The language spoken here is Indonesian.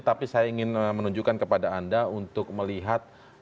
tapi saya ingin menunjukkan kepada anda untuk melihat